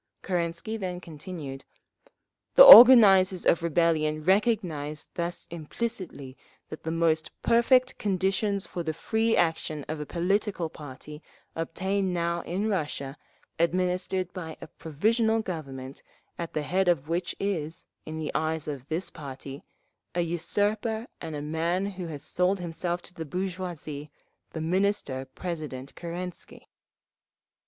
… Kerensky then continued: "The organisers of rebellion recognise thus implicitly that the most perfect conditions for the free action of a political party obtain now in Russia, administered by a Provisional Government at the head of which is, in the eyes of this party, 'a usurper and a man who has sold himself to the bourgeoisie, the Minister President Kerensky….